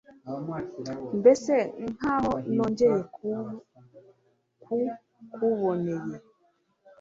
mbese nk aho nongeye ku kuboneye